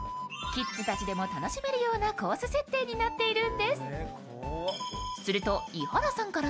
キッズたちでも楽しめるようなコース設定になっているんです。